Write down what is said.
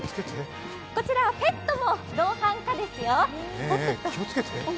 こちらはペットも同伴可ですよ。